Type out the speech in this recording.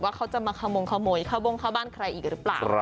ว่าจะมาขโมยของเขาบ้านใครอีกหรือป่าว